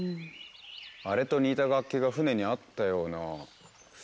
あれと似た楽器が船にあったような。